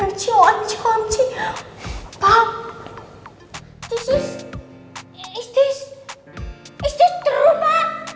aku bukan mimpi